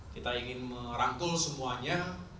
kita ingin merangkul semuanya